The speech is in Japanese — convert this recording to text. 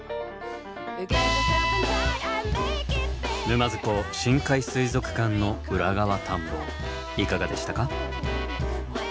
沼津港深海水族館の裏側探訪いかがでしたか？